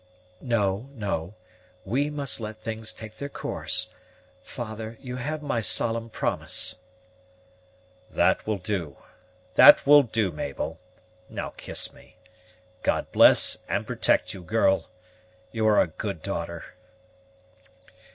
"No, no, we must let things take their course; father, you have my solemn promise." "That will do, that will do, Mabel, now kiss me. God bless and protect you, girl! you are a good daughter."